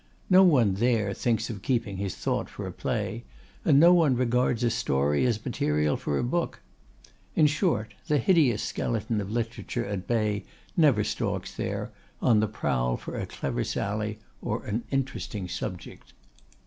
No one there thinks of keeping his thought for a play; and no one regards a story as material for a book. In short, the hideous skeleton of literature at bay never stalks there, on the prowl for a clever sally or an interesting subject.